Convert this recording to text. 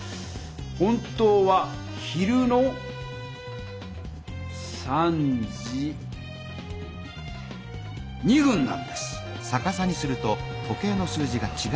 本当は昼の１５時２分なんです。